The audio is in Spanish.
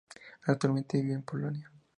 Actualmente vive en Polonia.